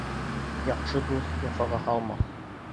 Яҡшы дуҫ яфаға һалмаҫ.